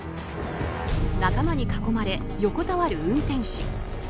仲間に囲まれ、横たわる運転手。